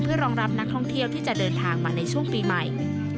เพื่อรองรับนักท่องเที่ยวที่จะเดินทางมาในช่วงปีใหม่